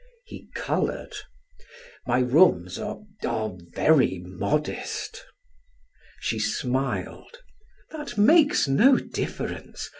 He colored. "My rooms are are very modest." She smiled: "That makes no difference.